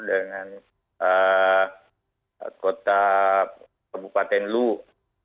dan kota kabupaten luwut